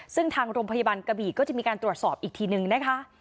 ซึ่งทางโรงพยาบาลกระบีก็จะมีการตรวจสอบอีกทีนึงนะคะ